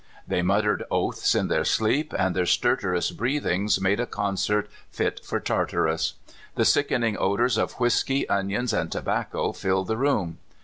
They muttered oaths in their sleep, and their stertorous breathings made a concert fit for Tartarus. The sickenintr odors of whisky, onions, and tobacco filled the room.